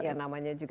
ya namanya juga